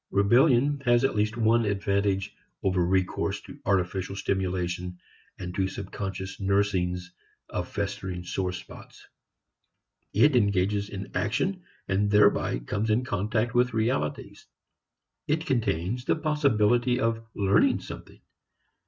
Rebellion has at least one advantage over recourse to artificial stimulation and to subconscious nursings of festering sore spots. It engages in action and thereby comes in contact with realities. It contains the possibility of learning something.